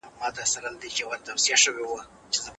ولي تمرین د زده کړي په پرمختګ کي مرسته کوي؟